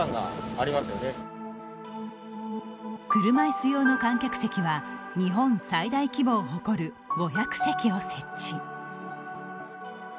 車いす用の観客席は日本最大規模を誇る５００席を設置。